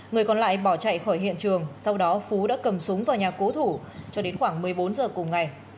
người còn lại bỏ chạy khỏi hiện trường sau đó phú đã cầm súng vào nhà cố thủ cho đến khoảng một mươi bốn giờ cùng ngày